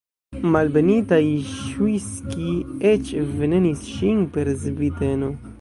Malbenitaj Ŝujskij'j eĉ venenis ŝin per zbiteno!